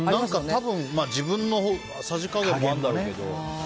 多分、自分のさじ加減もあるんだろうけど。